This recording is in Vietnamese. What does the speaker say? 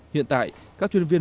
hiện tại các chuyên viên